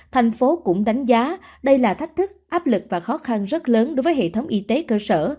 thành phố cũng đánh giá đây là thách thức áp lực và khó khăn rất lớn đối với hệ thống y tế cơ sở